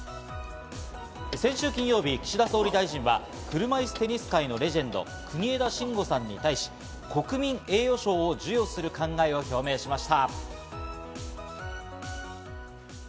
先週金曜日、岸田総理大臣は車いすテニス界のレジェンド・国枝慎吾さんに対し、国民栄誉賞を授与する考えを表明しました。